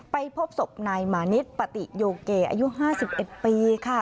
พบศพนายมานิดปฏิโยเกอายุ๕๑ปีค่ะ